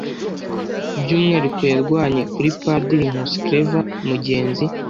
by umwihariko yarwanye kuri padiri nkusi claver mugenzi